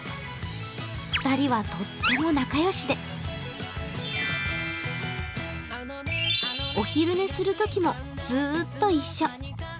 ２人はとっても仲よしでお昼寝するときもずーっと一緒。